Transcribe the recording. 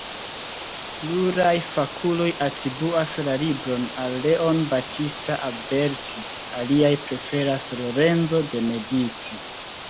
Pluraj fakuloj atribuas la libron al Leon Battista Alberti, aliaj preferas Lorenzo de Medici.